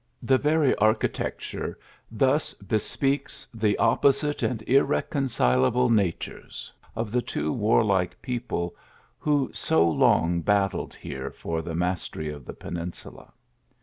The veiy architecture thus bespeaks the opposite and irreconcilable natures of the two MOSLEM D J/7..M1 77 OT /T SPA / A"! 47 warlike people, who so long battled here for the mastery of the Peninsula.